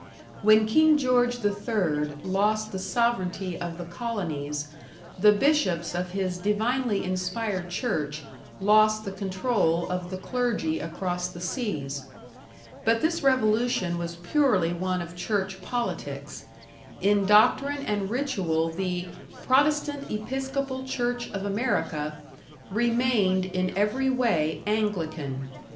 When King George the Third lost the sovereignty of the colonies, the bishops of his divinely inspired church lost the control of the clergy across the seas; but this revolution was purely one of Church politics in doctrine and ritual the "Protestant Episcopal Church of America" remained in every way Anglican.